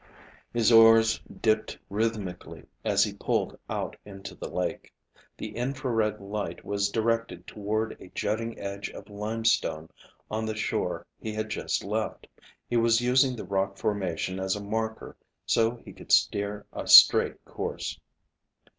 His oars dipped rhythmically as he pulled out into the lake. The infrared light was directed toward a jutting edge of limestone on the shore he had just left. He was using the rock formation as a marker so he could steer a straight course.